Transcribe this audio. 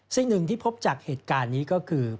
สิ่งหนึ่งที่พบจากเหตุการณ์นี้ก็คือ